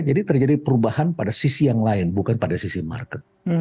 jadi terjadi perubahan pada sisi yang lain bukan pada sisi market